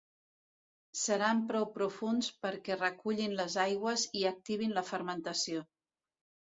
Seran prou profunds perquè recullin les aigües i activin la fermentació.